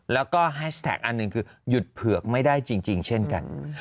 แล้วก็แฮชแท็กอันหนึ่งคือหยุดเผือกไม่ได้จริงเช่นกัน